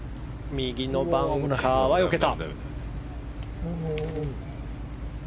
右のバンカーはよけた。